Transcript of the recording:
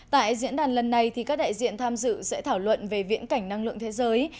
tại diễn đàn lần này các đại diện tham dự sẽ thảo luận về viễn cảnh năng lượng thế giới